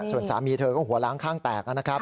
ส่วนสามีเธอก็หัวล้างข้างแตกนะครับ